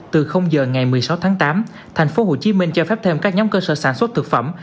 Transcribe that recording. từ giờ ngày một mươi sáu tháng tám tp hcm cho phép thêm các nhóm cơ sở sản xuất thực phẩm